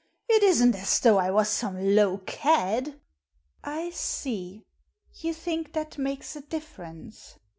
It isn't as though I was some low cad" " I see. You think that makes a difference